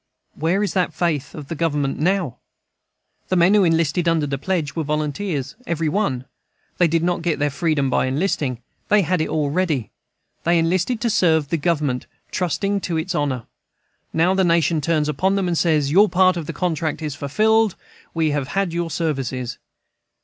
Where is that faith of the Government now? The men who enlisted under the pledge were volunteers, every one; they did not get their freedom by enlisting; they had it already. They enlisted to serve the Government, trusting in its honor. Now the nation turns upon them and says: Your part of the contract is fulfilled; we have had your services.